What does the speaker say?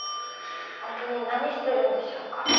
ホントに何してるんでしょうか。